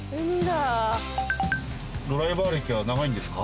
ドライバー歴は長いんですか？